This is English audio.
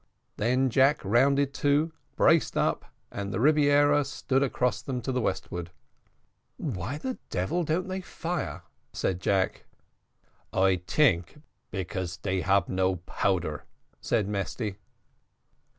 Then Jack rounded to, braced up, and the Rebiera stood across them to the westward. "Why the devil don't they fire?" said Jack. "I tink because they no ab powder," said Mesty.